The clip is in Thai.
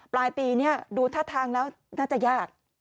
ปลายปีนี้ดูท่าทางแล้วน่าจะยาก